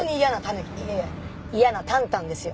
ぬきいえ嫌なタンタンですよ。